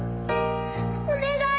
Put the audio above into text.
お願い！